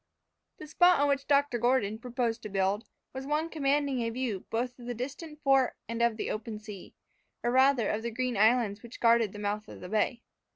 The spot on which Dr. Gordon proposed to build, was one commanding a view both of the distant fort and of the open sea, or rather of the green islands which guarded the mouth of the bay.